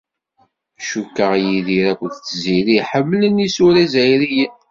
Cukkeɣ Yidir akked Tiziri ḥemmlen isura izzayriyen.